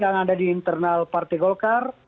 ketika anda di internal partai golkar